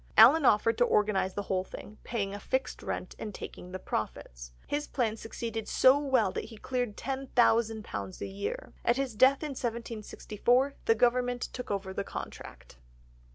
Allen offered to organise the whole thing, paying a fixed rent, and taking the profits. His plan succeeded so well that he cleared £10,000 a year. At his death in 1764 the Government took over the contract.